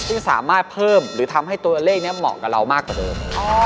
ที่สามารถเพิ่มหรือทำให้ตัวเลขนี้เหมาะกับเรามากกว่าเดิม